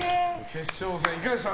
決勝戦、いかがでした？